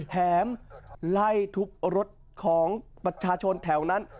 แถมไล่ทุบรถของประชาชนแถวนั้นไปด้วย